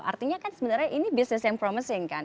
artinya kan sebenarnya ini bisnis yang promising kan